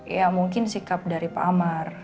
ya mungkin sikap dari pak amar